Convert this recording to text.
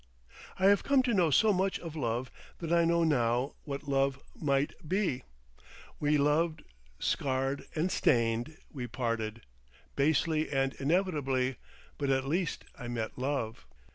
I have come to know so much of love that I know now what love might be. We loved, scarred and stained; we parted—basely and inevitably, but at least I met love.